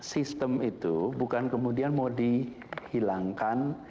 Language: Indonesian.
sistem itu bukan kemudian mau dihilangkan